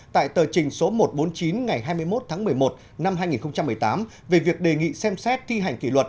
tại tờ trình số một trăm bốn mươi chín ngày hai mươi một tháng một mươi một năm hai nghìn một mươi tám về việc đề nghị xem xét thi hành kỷ luật